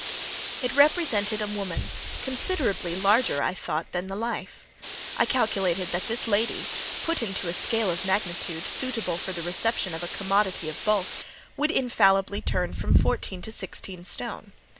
It represented a woman, considerably larger, I thought, than the life. I calculated that this lady, put into a scale of magnitude, suitable for the reception of a commodity of bulk, would infallibly turn from fourteen to sixteen stone.